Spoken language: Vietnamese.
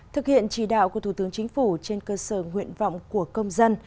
thực hiện chỉ đạo của thủ tướng chính phủ trên cơ sở nguyện vọng của công dân